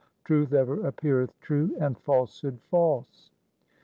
Truth ever appeareth true and falsehood false.